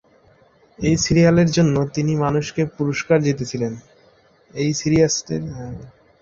এই সিরিয়ালের জন্য তিনি অনেক পুরস্কারও জিতেছিলেন।